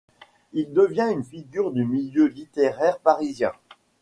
Il devient une figure du milieu littéraire parisien.